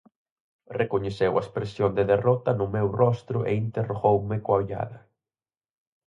Recoñeceu a expresión de derrota no meu rostro e interrogoume coa ollada.